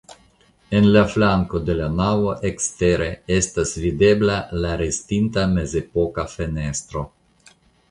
En flanko de la navo ekstere estas videbla la restinta mezepoka fenestro.